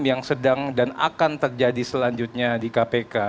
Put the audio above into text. yang sedang dan akan terjadi selanjutnya di kpk